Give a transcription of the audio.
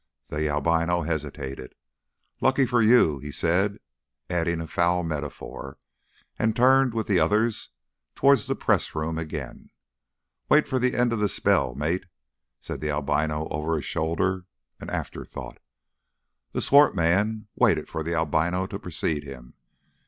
The albino hesitated. "Lucky for you," he said, adding a foul metaphor, and turned with the others towards the press room again. "Wait for the end of the spell, mate," said the albino over his shoulder an afterthought. The swart man waited for the albino to precede him.